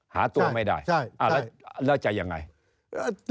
หาตัวไม่ได้แล้วจะยังไงใช่ใช่ใช่